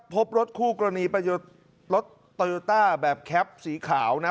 พบรถคู่กรณีประโยชน์รถแบบแคปสีขาวนะ